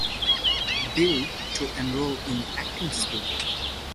Bill to enroll in acting school.